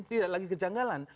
tidak lagi kejanggalan